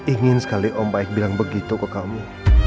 ingin sekali om baik bilang begitu ke kamu